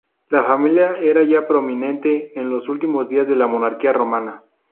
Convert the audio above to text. La familia era ya prominente en los últimos días de la monarquía romana.